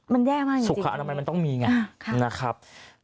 มันแย่มากสุขอนามัยมันต้องมีไงนะครับ